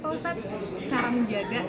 pak ustadz cara menjaga